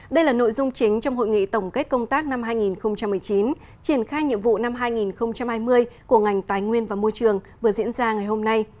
đây là nội dung chính trong hội nghị tổng kết công tác năm hai nghìn một mươi chín triển khai nhiệm vụ năm hai nghìn hai mươi của ngành tài nguyên và môi trường vừa diễn ra ngày hôm nay